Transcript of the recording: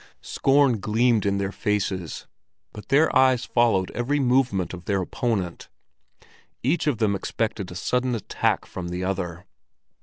Scorn gleamed in their faces, but their eyes followed every movement of their opponent. Each of them expected a sudden attack from the other.